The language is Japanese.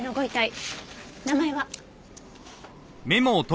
名前は？